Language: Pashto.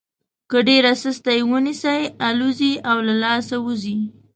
که ډېره سسته یې ونیسئ الوزي او له لاسه وځي.